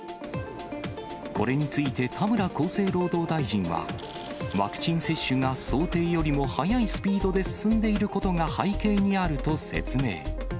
これについて、田村厚生労働大臣は、ワクチン接種が想定よりも速いスピードで進んでいることが、背景にあると説明。